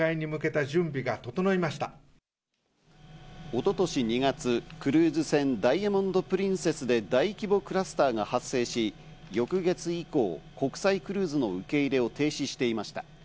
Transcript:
一昨年２月、クルーズ船ダイヤモンド・プリンセスで大規模クラスターが発生し、翌月以降、国際クルーズの受け入れを停止していました。